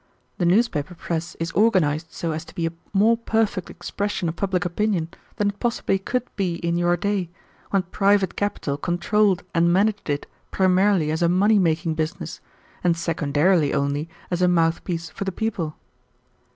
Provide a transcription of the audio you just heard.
The newspaper press is organized so as to be a more perfect expression of public opinion than it possibly could be in your day, when private capital controlled and managed it primarily as a money making business, and secondarily only as a mouthpiece for the people."